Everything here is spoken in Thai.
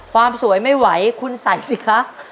ความสวยไม่ไหวคุณใส่สิคะ